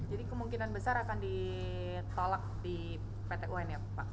jadi kemungkinan besar akan ditolak di pt tun ya pak